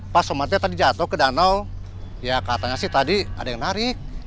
pak somadnya tadi jatuh ke danau ya katanya sih tadi ada yang narik